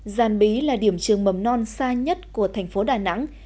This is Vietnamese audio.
giàn bí là điểm trường mầm non xa nhất của thành phố đà nẵng